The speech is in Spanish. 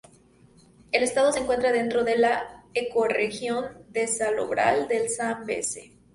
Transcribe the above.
El estado se encuentra dentro de la ecorregión de salobral del Zambeze.